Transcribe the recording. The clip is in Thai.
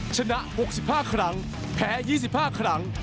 ชนะ๖๕ครั้งแพ้๒๕ครั้ง